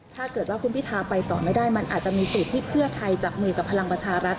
ถ้าเกิดว่าคุณพิทาไปต่อไม่ได้มันอาจจะมีสูตรที่เพื่อไทยจับมือกับพลังประชารัฐ